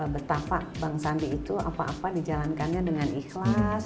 betapa bang sandi itu apa apa dijalankannya dengan ikhlas